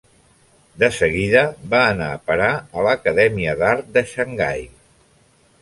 De seguida va anar a parar a l'Acadèmia d'Art de Xangai.